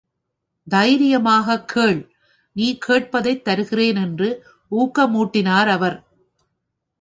தைரியமாகக் கேள், நீ கேட்பதைத் தருகிறேன் என்று ஊக்கமூட்டினார் அவர்.